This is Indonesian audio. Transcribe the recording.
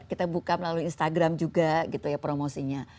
kita buka melalui instagram juga gitu ya promosinya